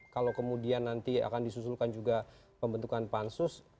kalau kemudian nanti akan disusulkan juga pembentukan pansus